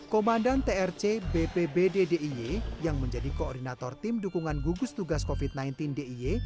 komandan trc bpbd diy yang menjadi koordinator tim dukungan gugus tugas covid sembilan belas diy